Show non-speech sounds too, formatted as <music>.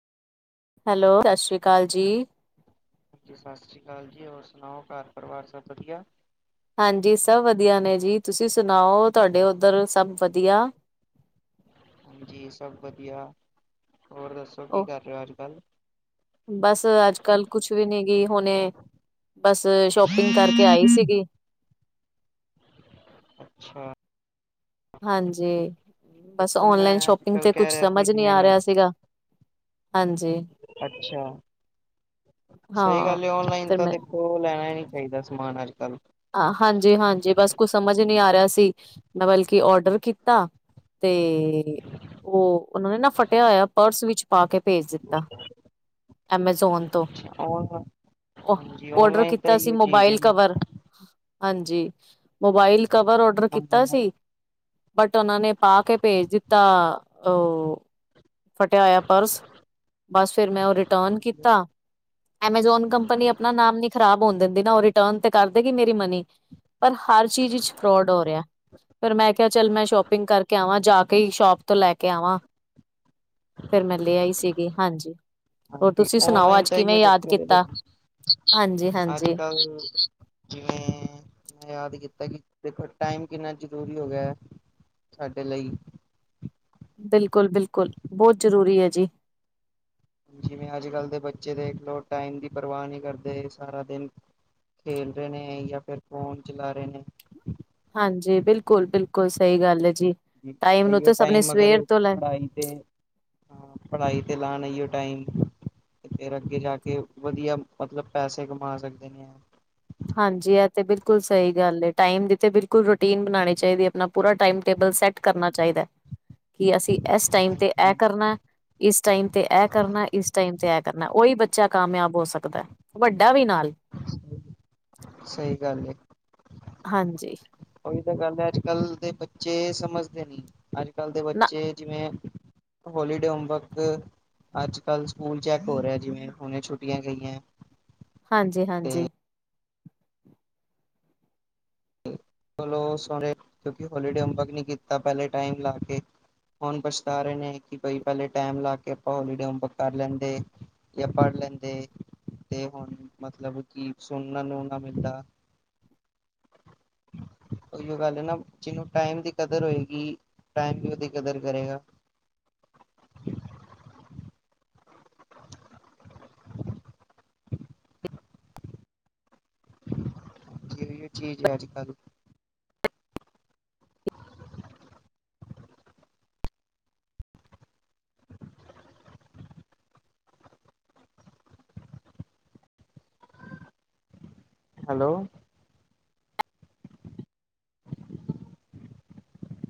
Hello ਸਸਰੀਕਾਲ ਜੀ। ਹਾਂਜੀ ਸਸਰੀਕਾਲ ਜੀ ਹੋਰ ਸੁਣਾਓ ਘਰ ਪਰਿਵਾਰ ਸਭ ਵਧੀਆ। ਹਾਂਜੀ ਸਭ ਵਧੀਆ ਨੇ ਜੀ। ਤੁਸੀਂ ਸੁਣਾਓ ਤੁਹਾਡੇ ਉੱਧਰ ਸਭ ਵਧੀਆ। ਹਾਂਜੀ ਸਭ ਵਧੀਆ। ਹੋਰ ਦੱਸੋ ਕੀ ਉਹ ਕਰ ਰਹੇ ਹੋ ਅੱਜ- ਕੱਲ? ਬਸ ਅੱਜ-ਕੱਲ ਕੁਛ ਵੀ ਨੀ ਗੀ ਹੁਣੇ ਬਸ ਸ਼ੋਪਿੰਗ ਕਰਕੇ ਆਈ ਸੀਗੀ। ਅੱਛਾ ਹਾਂਜੀ ਬਸ ਦੇਖੋ ਮੈਂ ਓਨਲਾਈਨ ਅੱਜ ਸ਼ੋਪਿੰਗ ਕੱਲ ਤੇ ਕਹਿ ਕੁਛ ਰਿਹਾ ਸੀ ਸਮਝ ਨੀ ਆ ਜਿਵੇਂ ਰਿਹਾ ਸੀਗਾ। ਹਾਂਜੀ, ਅੱਛਾ <inaudible> ਸਹੀ ਹਾਂ। ਗੱਲ ਐ ਓਨਲਾਈਨ ਫਿਰ ਤਾਂ ਮੈਂ ਦੇਖੋ ਉਹ ਲੈਣਾ ਹੀ ਨੀ ਚਾਹੀਦਾ ਸਮਾਨ ਅੱਜ -ਕੱਲ। ਹਾਂਜੀ ਹਾਂਜੀ ਬਸ ਕੁਛ ਸਮਝ ਨਹੀਂ ਆ ਰਿਹਾ ਸੀ। ਮੈਂ ਬਲਕਿ ਔਡਰ ਕੀਤਾ। ਤੇ ਉਹ ਉਹਨਾਂ ਨੇ ਨਾ ਫਟਿਆ ਹੋਇਆ ਪਰਸ ਵਿੱਚ ਪਾ ਕੇ ਭੇਜ ਦਿੱਤਾ। ਐਮਾਜ਼ੋਨ ਤੋਂ ਓ ਹਾਂਜੀ ਔਡਰ ਔਨਲਾਈਨ ਤਾਂ ਕੀਤਾ ਸੀ ਇਹੋ ਚੀਜ਼ ਹੈ ਮੋਬਾਇਲ ਕਵਰ। ਹਾਂਜੀ ਮੋਬਾਈਲ ਕਵਰ ਔਡਰ ਕੀਤਾ ਹਾਂਜੀ ਸੀ। ਬਟ ਉਹਨਾਂ ਨੇ ਪਾ ਕੇ ਭੇਜ ਦਿੱਤਾ। ਉਹ ਫਟਿਆ ਹੋਇਆ ਪਰਸ। ਬਸ ਫਿਰ ਮੈਂ ਉਹ ਰਿਟਰਨ ਕੀਤਾ। ਐਮਾਜੋਨ ਕੰਪਨੀ ਆਪਣਾ ਨਾਮ ਨੀ ਖਰਾਬ ਹੋਣ ਦਿੰਦੀ ਨਾ। ਉਹ ਰਿਟਰਨ ਤੇ ਕਰ ਦੇਗੀ ਮੇਰੀ ਮਨੀ। ਪਰ ਹਰ ਚੀਜ਼ 'ਚ ਫਰੋਡ ਹੋ ਰਿਹਾ। ਫਿਰ ਮੈਂ ਕਿਹਾ ਚੱਲ ਮੈਂ ਸ਼ੋਪਿੰਗ ਕਰਕੇ ਆਵਾਂ ਜਾ ਕੇ ਹੀ ਸ਼ੋਪ ਤੋਂ ਲੈ ਕੇ ਆਵਾਂ। ਫਿਰ ਮੈਂ ਲਿਆ ਆਈ ਸੀਗੀ। ਹਾਂਜੀ। ਹੋਰ ਤੁਸੀਂ ਸੁਣਾਓ ਔਨਲਾਈਨ ਅੱਜ ਤਾਂ ਕਿਵੇਂ ਇਹੀਉ ਯਾਦ ਚੱਕਰ ਕੀਤਾ ਦੇਖੋ। ਹਾਂਜੀ ਅੱਜ- ਹਾਂਜੀ ਕੱਲ। ਜਿਵੇਂ ਮੈਂ ਯਾਦ ਕੀਤਾ ਕਿ ਦੇਖੋ ਟਾਈਮ ਕਿੰਨਾ ਜ਼ਰੂਰੀ ਹੋ ਗਿਆ ਐ। ਸਾਡੇ ਲਈ ਬਿਲਕੁਲ- ਬਿਲਕੁਲ ਬਹੁਤ ਜ਼ਰੂਰੀ ਐ ਜੀ। ਜਿਵੇਂ ਅੱਜ- ਕੱਲ੍ਹ ਦੇ ਬੱਚੇ ਦੇਖ ਲਓ ਟਾਈਮ ਦੀ ਪਰਵਾਹ ਨੀ ਕਰਦੇ। ਸਾਰਾ ਦਿਨ ਖੇਲ ਦੇ ਨੇ ਜਾਂ ਫਿਰ ਫੋਨ ਚਲਾ ਰਹੇ ਨੇ। ਹਾਂਜੀ ਬਿਲਕੁਲ- ਬਿਲਕੁਲ ਸਹੀ ਗੱਲ ਆ ਜੀ। ਟਾਈਮ ਨੂੰ ਇਹੀਓ ਤਾਂ ਸਭ ਨੇ ਟਾਈਮ ਅਗਰ ਸਵੇਰ ਉਹ ਤੋਂ ਲੈ ਪੜ੍ਹਾਈ ਤੇ ਹਾਂ ਪੜ੍ਹਾਈ ਤੇ ਲਾਣ ਏਹੀਓ ਟਾਈਮ ਤੇ ਫਿਰ ਅੱਗੇ ਜਾ ਕੇ ਵਧੀਆ, ਮਤਲਬ ਪੈਸੇ ਕਮਾ ਸਕਦੇ ਨੇ। ਹਾਂਜੀ ਇਹ ਤੇ ਬਿਲਕੁਲ ਸਹੀ ਗੱਲ ਐ। ਟਾਈਮ ਦੀ ਤੇ ਬਿਲਕੁਲ ਰੁਟੀਨ ਬਣਾਉਣੀ ਚਾਹੀਦੀ ਐ। ਆਪਣਾ ਪੂਰਾ ਟਾਈਮ ਟੇਬਲ ਸੈੱਟ ਕਰਨਾ ਚਾਹੀਦਾ। <inaudible> ਕਿ ਅਸੀਂ ਇਸ ਟਾਈਮ ਤੇ ਇਹ ਹਾਂਜੀ ਕਰਨਾ। ਇਸ ਟਾਈਮ ਤੇ ਐ ਕਰਨਾ। ਇਸ ਟਾਈਮ ਤੇ ਐ ਕਰਨਾ। ਉਹੀ ਬੱਚਾ ਕਾਮਯਾਬ ਹੋ ਸਕਦਾ। ਵੱਡਾ ਵੀ ਨਾਲ। ਹਾਂਜੀ ਸਹੀ ਗੱਲ ਏ। ਹਾਂਜੀ ਉਹੀ ਤਾਂ ਗੱਲ ਐ, ਅੱਜ-ਕੱਲ੍ਹ ਦੇ ਬੱਚੇ ਸਮਝਦੇ ਨੀ। ਅੱਜ-ਕੱਲ੍ਹ ਦੇ ਨਾ ਬੱਚੇ ਜਿਵੇਂ ਹੋਲੀਡੇ ਹੋਮਵਰਕ, ਅੱਜ-ਕੱਲ੍ਹ ਸਕੂਲ ਚੈੱਕ ਹੋ ਰਿਹਾ ਜਿਵੇਂ ਹੁਣੇ ਛੁੱਟੀਆਂ ਗਈਆਂ। ਹਾਂਜੀ-ਹਾਂਜੀ। ਮਤਲਬ ਸੋ ਕਿਉਂਕਿ ਹੋਲੀਡੇ ਹੋਮਵਰਕ ਨਹੀਂ ਕੀਤਾ ਪਹਿਲੇ ਟਾਈਮ ਲਾ ਕੇ ਹੁਣ ਪਛਤਾ ਰਹੇ ਨੇ ਕਿ ਕੋਈ ਪਹਿਲੇ ਟਾਈਮ ਲਾ ਕੇ ਆਪਾਂ ਹੋਲੀਡੇ ਹੋਮਵਰਕ ਕਰ ਲੈਂਦੇ। ਜਾਂ ਪੜ੍ਹ ਲੈਂਦੇ ਤੇ ਹੁਣ ਮਤਲਬ ਕਿ ਸੁਣਨਾ ਨੂੰ ਨਾ ਮਿਲਦਾ। ਉਹੀ ਗੱਲ ਨਾ, ਜਿਹਨੂੰ ਟਾਈਮ ਦੀ ਕਦਰ ਹੋਏਗੀ, ਟਾਈਮ ਵੀ ਉਹਦੀ ਕਦਰ ਕਰੇਗਾ। ਜਹੀ ਚੀਜ਼ ਹੈ ਅੱਜ-ਕੱਲ ' <inaudible> ' <inaudible> ਹੈਲੋ।